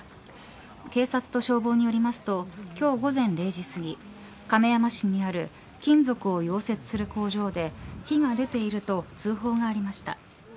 警察と消防によりますと今日午前０時すぎ亀山市にある金属を溶接する工場で火が出ていると通報がありました。